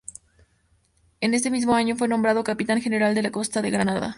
En ese mismo año fue nombrado Capitán General de la Costa de Granada.